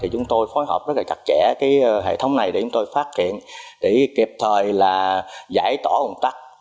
chúng tôi phối hợp rất chặt chẽ hệ thống này để chúng tôi phát hiện để kịp thời là giải tỏa ủng tắc